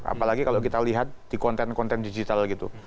apalagi kalau kita lihat di konten konten digital gitu